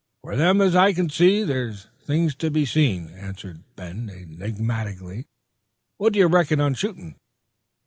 "For them as can see, there's things to be seen," answered Ben enigmatically. "What do you reckon on shooting?"